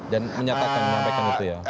dan menyatakan menyatakan begitu ya